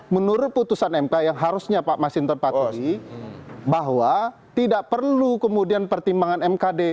menurut putusan mk yang harusnya pak mas hinton patuhi bahwa tidak perlu kemudian pertimbangan mkd